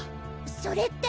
それって？